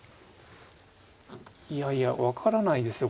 いやいや分からないですよ